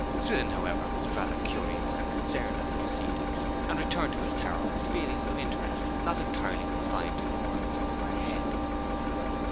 Swithin, however, was rather curious than concerned at the proceedings, and returned to his tower with feelings of interest not entirely confined to the worlds overhead.